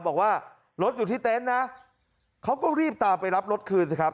บอกว่ารถอยู่ที่เต็นต์นะเขาก็รีบตามไปรับรถคืนสิครับ